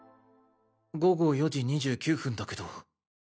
午後４時２９分だけど？